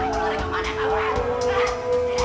jadi bacteria abadi